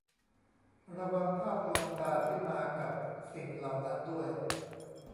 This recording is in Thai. ระวังภาพลวงตาที่มากับสิ่งเหล่านั้นด้วย